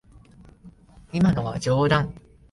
今のは冗談。